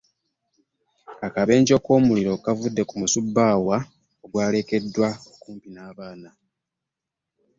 Akabenje k'omuliro kaavudde ku musubbaawa ogwalekeddwa okumpi n'abaana.